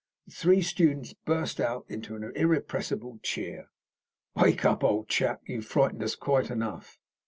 The three students burst out into an irrepressible cheer. "Wake up, old chap. You've frightened us quite enough."